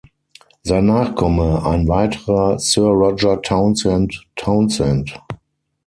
Sein Nachkomme, ein weiterer Sir Roger Townshend Townshend.